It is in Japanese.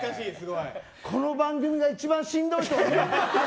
この番組が一番しんどい。